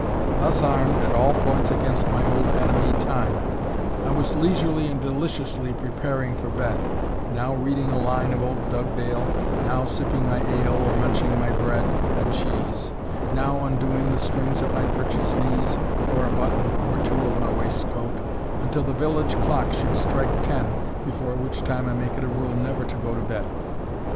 Thus armed at all points against my old enemy Time, I was leisurely and deliciously preparing for bed now reading a line of old Dugdale now sipping my ale, or munching my bread and cheese now undoing the strings at my breeches' knees, or a button or two of my waistcoat, until the village clock should strike ten, before which time I make it a rule never to go to bed.